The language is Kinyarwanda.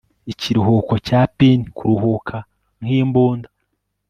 Ikiruhuko cya pin kuruhuka nkimbunda